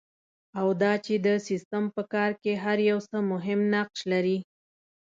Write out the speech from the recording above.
او دا چې د سیسټم په کار کې هر یو څه مهم نقش لري.